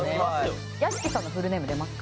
屋敷さんのフルネーム出ますか？